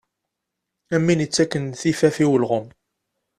Am win yettakken tifaf i ulɣem.